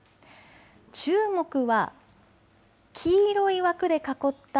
注目は黄色い枠で囲った